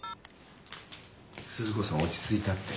鈴子さん落ち着いたって。